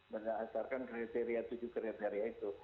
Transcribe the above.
berdasarkan kriteria tujuh kriteria itu